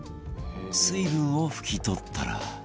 水分を拭き取ったら